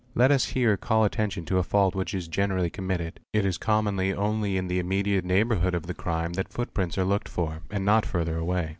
Let us here call attention to a fault i which is generally committed. It is commonly only in the immediate | neighbourhood of the crime that footprints are looked for, and not further away.